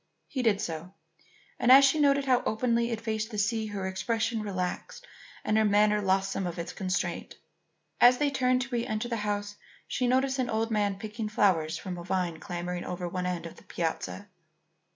He did so, and as she noted how openly it faced the sea, her expression relaxed and her manner lost some of its constraint. As they turned to re enter the house, she noticed an old man picking flowers from a vine clambering over one end of the piazza.